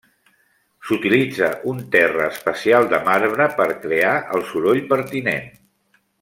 S'utilitza un terra especial de marbre per crear el soroll pertinent.